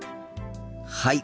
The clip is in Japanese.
はい。